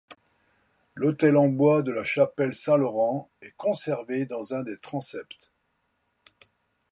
L'autel en bois de la chapelle Saint-Laurent est conservé dans un des transepts.